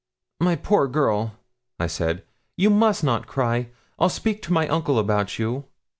'My poor girl,' I said, 'you must not cry. I'll speak to my uncle about you.'